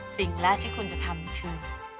สิ่งแรกที่คุณจะทำคือ